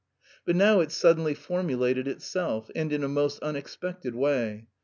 But now it suddenly formulated itself, and in a most unexpected way.